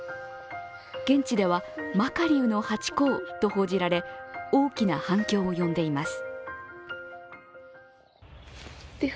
現地ではマカリウのハチ公と報じられ大きな反響を呼んでいます。